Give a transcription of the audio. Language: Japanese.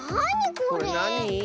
これなに？